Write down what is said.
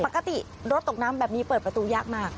ปกติรถตกน้ำแบบนี้เปิดประตูยากมาก